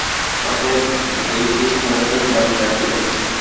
অতএব এইটি সর্বদা স্মরণ রাখিবে।